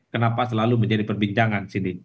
kenapa selalu menjadi perbincangan sini